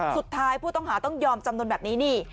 สุดท้ายผู้ต้องหาต้องยอมจำนวนแบบนี้นี่